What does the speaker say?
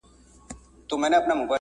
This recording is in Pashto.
عدالت دي خدای وبخښي